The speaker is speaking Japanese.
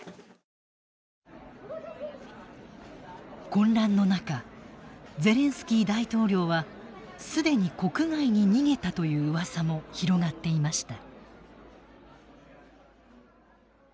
混乱の中「ゼレンスキー大統領は既に国外に逃げた」という噂も広がっていました。